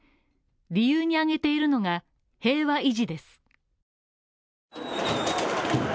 理由に挙げているのが、平和維持です。